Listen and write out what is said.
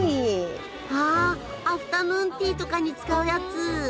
あアフタヌーンティーとかに使うやつ！